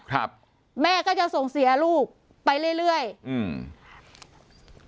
ครับแม่ก็จะส่งเสียลูกไปเรื่อยเรื่อยอืม